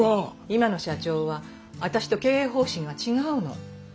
今の社長は私と経営方針が違うの。